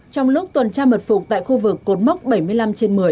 trong lúc tuần tra mật phục tại khu vực cột mốc bảy mươi năm trên một mươi